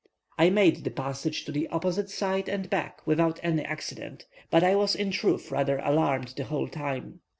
I made the passage to the opposite side and back without any accident, but I was in truth rather alarmed the whole time.